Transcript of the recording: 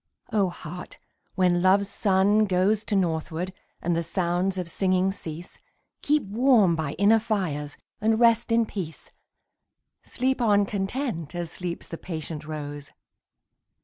O Heart, when Love's sun goes To northward, and the sounds of singing cease, Keep warm by inner fires, and rest in peace. Sleep on content, as sleeps the patient rose.